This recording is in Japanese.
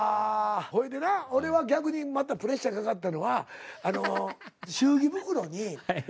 ほいでな俺は逆にまたプレッシャーかかったのはあの祝儀袋に何書くかいうて。